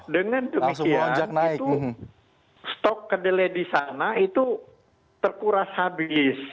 dengan demikian itu stok kedelai di sana itu terkuras habis